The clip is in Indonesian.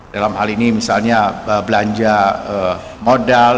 dalam hal ini misalnya belanja modal